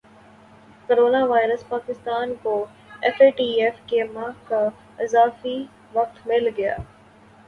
corona virus Pakistan کو F A T F سے ماہ کا اضافی وقت مل گیا